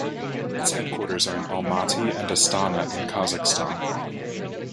Its headquarters are in Almaty and Astana in Kazakhstan.